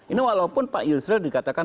ini walaupun pak yusril dikatakan